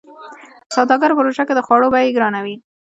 سوداګرو په روژه کې د خوړو بيې ګرانوي.